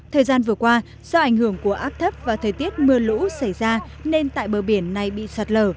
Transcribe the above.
thời gian vừa qua do ảnh hưởng của áp thấp và thời tiết mưa lũ xảy ra nên tại bờ biển này bị sạt lở